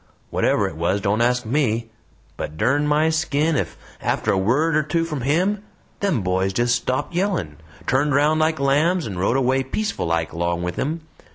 Whatever it was don't ask ME but, dern my skin, ef after a word or two from HIM them boys just stopped yellin', turned round like lambs, and rode away, peaceful like, along with him.